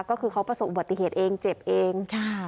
ก็คือเขาประสบอุบัติเหตุเองเจ็บเอง